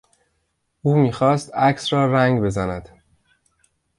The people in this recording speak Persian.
او میخواست عکس را رنگ بزند.